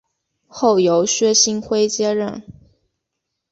后由薛星辉接任。